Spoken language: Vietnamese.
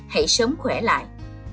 hãy sớm khỏe lại